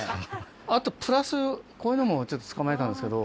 あとプラスこういうのも捕まえたんですけど。